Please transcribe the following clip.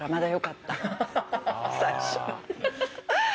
最初。